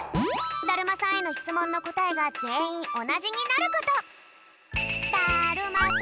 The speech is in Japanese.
だるまさんへのしつもんのこたえがぜんいんおなじになること。